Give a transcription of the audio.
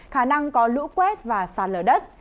khả năng có lũ quét và sạt lở đất